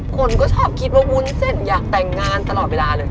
คนก็ชอบคิดว่าวุ้นเส้นอยากแต่งงานตลอดเวลาเลย